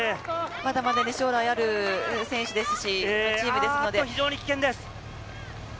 まだまだ将来のある選手ですし、チームですので。